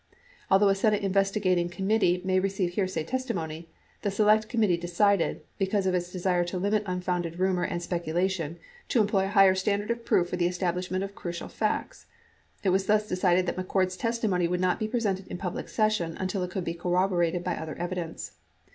Although a Senate investigating commit tee may receive hearsay testimony, the Select Committee decided, be cause of its desire to limit unfounded rumor and speculation, to employ a higher standard of proof for the establishment of crucial facts. It was thus decided that McCord's testimony would not be presented in public session unless it could be corroborated by other evidence.